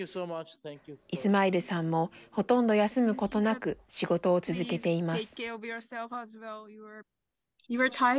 イスマイルさんもほとんど休むことなく仕事を続けています。